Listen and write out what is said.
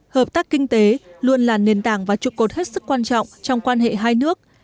hợp tác kinh tế luôn là nền tảng và trụ cột hết sức quan trọng trong quan hệ hai nước